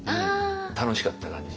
楽しかった感じ。